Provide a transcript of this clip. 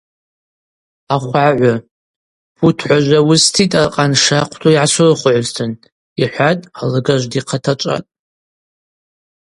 Ахвгӏагӏвы: Пут гӏважва уыститӏ аркъан шахъвду йгӏасурыхвгӏузтын, – йхӏван алыгажв дихъатачӏватӏ.